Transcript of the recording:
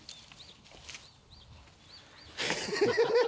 フフフフ！